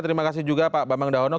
terima kasih juga pak babang dahono